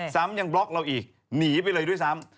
ซ้ำยังบล็อกเราอีกหนีไปเลยด้วยซ้ำ